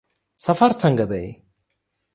سفر څنګه دی؟